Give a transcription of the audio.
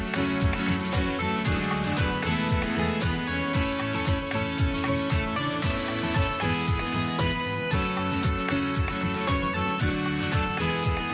โปรดตามตอนต่อไป